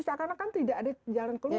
tapi kan tidak ada jalan keluar